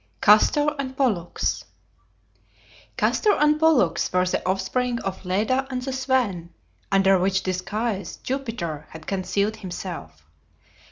CASTOR AND POLLUX Castor and Pollux were the offspring of Leda and the Swan, under which disguise Jupiter had concealed himself.